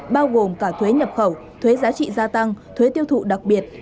bao gồm cả thuế nhập khẩu thuế giá trị gia tăng thuế tiêu thụ đặc biệt